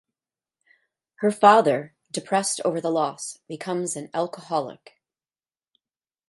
Her father, depressed over the loss, becomes an alcoholic.